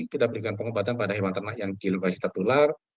kita berikan pengobatan pada hewan ternak yang kilopasi tertular